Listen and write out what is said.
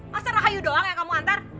masa rahayu doang yang kamu antar